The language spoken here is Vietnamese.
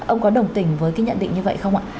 ông có đồng tình với cái nhận định như vậy không ạ